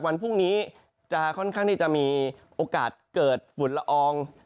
วันพรุ่งนี้จะค่อนข้างที่จะมีโอกาสเกิดฝุ่นละออง